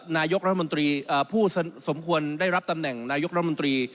นายกรัฐมนตรีผู้สมควรได้รับตำแหน่งนายกรัฐมนตรี